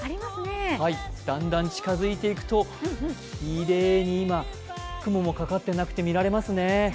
だんだん近づいていくと、きれいに今、雲もかかってなくて見られますね。